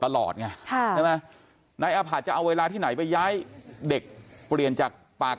ตลอดไงใช่ไหมนายอาผะจะเอาเวลาที่ไหนไปย้ายเด็กเปลี่ยนจากปาก